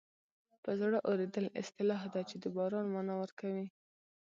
په زړه اورېدل اصطلاح ده چې د باران مانا ورکوي